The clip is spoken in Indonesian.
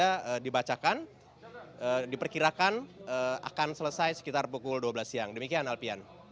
jika dibacakan diperkirakan akan selesai sekitar pukul dua belas siang demikian alfian